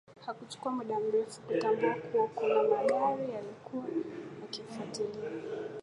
Hakuchukua muda mrefu kutambua kuwa kuna magari yalikuwa yakimfatilia